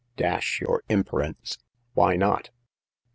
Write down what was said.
" Dash yer imperance ! Why not